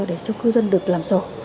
để cho cư dân được làm sổ